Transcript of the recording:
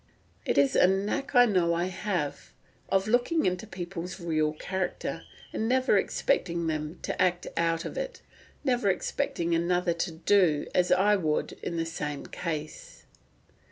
It is a "knack I know I have, of looking into people's real character, and never expecting them to act out of it—never expecting another to do as I would in the same case."